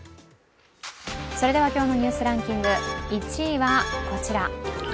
今日の「ニュースランキング」１位はこちら。